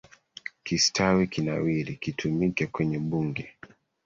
Kistawi kinawiri, kitumike kwenye bunge,